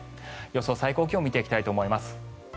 予想最高気温を見ていきたいと思います。